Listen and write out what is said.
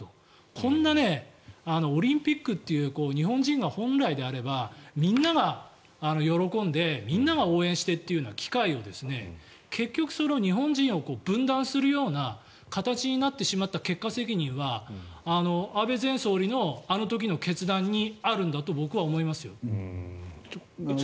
こんなオリンピックという日本人が本来であればみんなが喜んでみんなが応援してという機会を結局、日本人を分断するような形になってしまった結果責任は安倍前総理のあの時の決断にあるんだと僕は思いますよ。